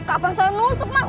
gak pernah sama nusuk mas